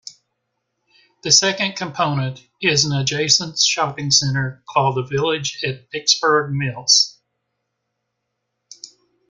The second component is an adjacent shopping center called the Village at Pittsburgh Mills.